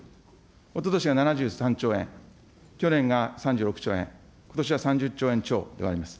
おととしが７３兆円、去年が３６兆円、ことしは３０兆円超であります。